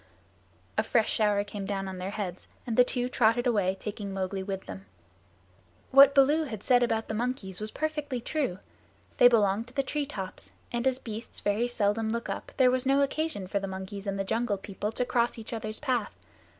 A fresh shower came down on their heads and the two trotted away, taking Mowgli with them. What Baloo had said about the monkeys was perfectly true. They belonged to the tree tops, and as beasts very seldom look up, there was no occasion for the monkeys and the Jungle People to cross each other's path.